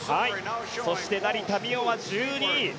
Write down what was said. そして成田実生は１２位。